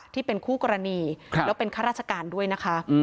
ที่เป็นคู่กรณีแล้วเป็นข้าราชการด้วยนะคะ